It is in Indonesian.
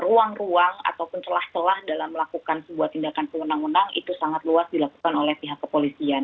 ruang ruang ataupun kebuka dalam melakukan sebuah tindakan kewenang kebenaran itu sangat luas di lakukan oleh pihak kepolisian